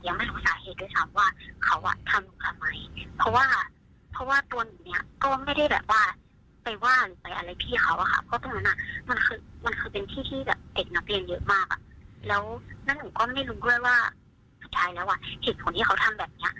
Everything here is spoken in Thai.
น้องคิดว่าเขาเหมือนอาจจะแบบพันขาหรือว่าแบบอะไรกันก็ได้